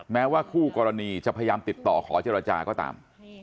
แม้ว่าคู่กรณีจะพยายามติดต่อขอเจรจาก็ตาม